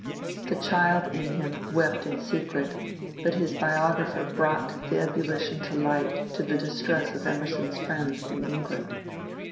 The child in him wept in secret, but his biographer brought the ebullition to light to the distress of Emerson's friends in England.